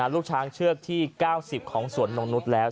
ลูกช้างเชือกที่๙๐ของสวนนงนุษย์แล้ว